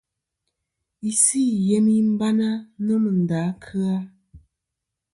Isɨ i yemi bana nomɨ nda kɨ-a.